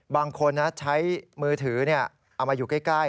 บางคนใช้มือถือเอามาอยู่ใกล้